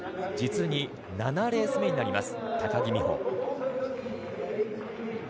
実に７レース目になります高木美帆。